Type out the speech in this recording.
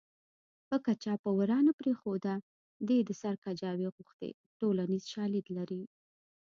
پکه چا په ورا نه پرېښوده دې د سر کجاوې غوښتې ټولنیز شالید لري